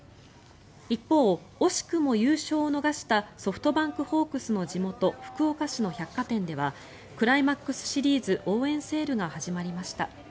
一方、惜しくも優勝を逃したソフトバンクホークスの地元福岡市の百貨店ではクライマックスシリーズ応援セールが始まりました。